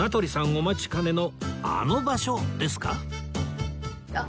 お待ちかねのあの場所ですか？